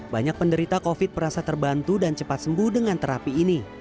banyak penderita covid sembilan belas terasa terbantu dan cepat sembuh dengan terapi ini